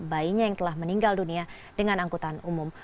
bayinya yang telah meninggal dunia dengan angkutan umum